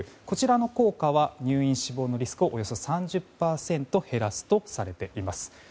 こちらの効果は入院・死亡のリスクをおよそ３０％減らすとされています。